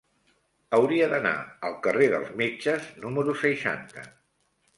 Hauria d'anar al carrer dels Metges número seixanta.